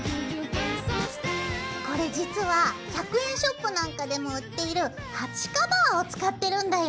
これ実は１００円ショップなんかでも売っている鉢カバーを使ってるんだよ！